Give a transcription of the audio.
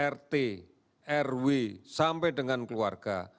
rt rw sampai dengan keluarga